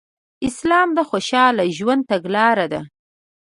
اسلام د خوشحاله ژوند تګلاره ده